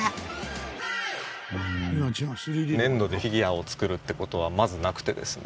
粘土でフィギュアを作るって事はまずなくてですね